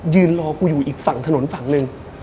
ยืนรอกูอยู่อีกฝั่งถนนฝั่งหนึ่ง